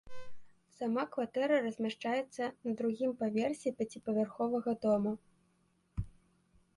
Сама кватэра размяшчаецца на другім паверсе пяціпавярховага дома.